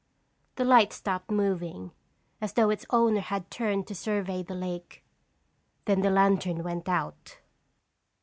The light stopped moving, as though its owner had turned to survey the lake. Then the lantern went out.